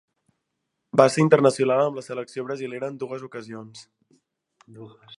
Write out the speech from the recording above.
Va ser internacional amb la selecció brasilera en dues ocasions.